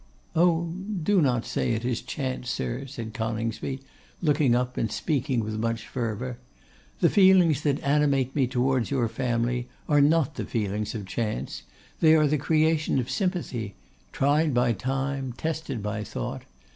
'Oh! do not say it is chance, sir,' said Coningsby, looking up, and speaking with much fervour. 'The feelings that animate me towards your family are not the feelings of chance: they are the creation of sympathy; tried by time, tested by thought.